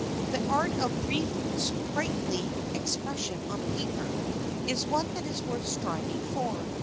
The art of brief sprightly expression on paper is one that is worth striving for.